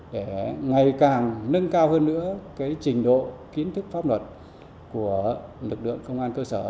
để ngày càng nâng cao hơn nữa trình độ kiến thức pháp luật của lực lượng công an cơ sở